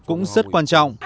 cũng rất quan trọng